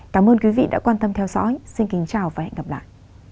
cảm ơn quý vị đã quan tâm theo dõi xin kính chào và hẹn gặp lại